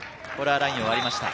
ラインを割りました。